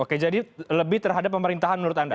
oke jadi lebih terhadap pemerintahan menurut anda